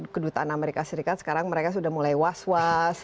kedutaan amerika serikat sekarang mereka sudah mulai was was